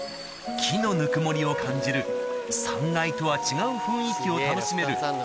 木のぬくもりを感じる３階とは違う雰囲気を楽しめる